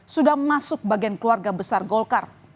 sudah masuk bagian keluarga besar golkar